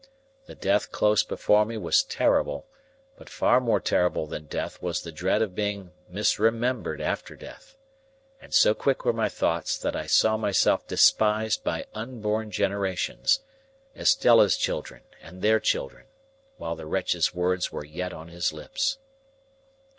The death close before me was terrible, but far more terrible than death was the dread of being misremembered after death. And so quick were my thoughts, that I saw myself despised by unborn generations,—Estella's children, and their children,—while the wretch's words were yet on his lips.